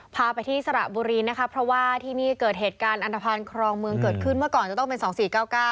พาไปที่สระบุรีนะคะเพราะว่าที่นี่เกิดเหตุการณ์อันตภัณฑ์ครองเมืองเกิดขึ้นเมื่อก่อนจะต้องเป็นสองสี่เก้าเก้า